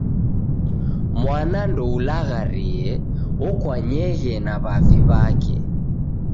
Mwana ndoulagharie, okwanyeghe na w'avi w'ake.